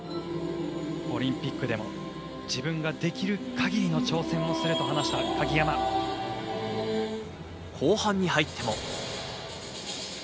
オリンピックでも自分ができるかぎりの挑戦をすると話した鍵後半に入っても。